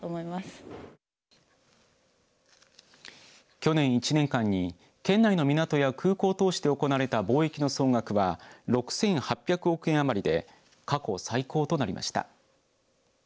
去年１年間に県内の港や空港を通して行われた貿易総額は６８００億円余りで過去最高となりました。